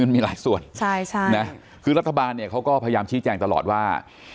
มีหลายส่วนคือรัฐบาลเนี่ยเขาก็พยายามชี้แจงตลอดว่า